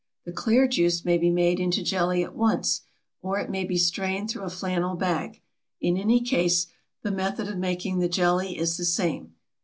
The clear juice may be made into jelly at once, or it may be strained through a flannel bag. In any case, the method of making the jelly is the same.